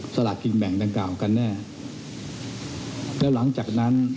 สลากกินแบ่งดังกล่าวกันแน่แล้วหลังจากนั้น